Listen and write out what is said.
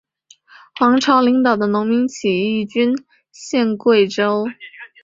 黄巢领导的农民起义军陷桂州。